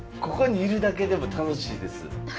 ここにいるだけでも楽しいです。